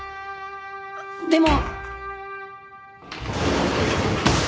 でも。